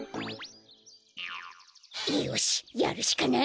よしやるしかない！